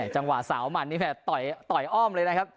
จังหวะสาวมันนี่แบบต่อยอ้อมเลยนะครับ